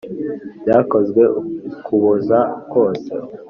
Byakozwe ukoboza kose